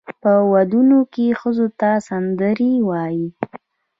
په ودونو کې ښځو ته سندرې وایي.